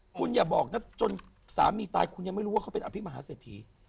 คุณอย่าบอกนะจนสามีตายคุณยังไม่รู้ว่าเขาเป็นอภิมหาเศรษฐี